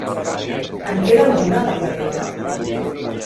En queda alguna a la platea?